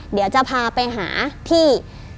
เดี๋ยวจะพาไปหาที่